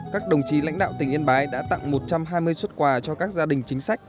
các đồng chí lãnh đạo tỉnh yên bái đã tặng một trăm hai mươi xuất quà cho các gia đình chính sách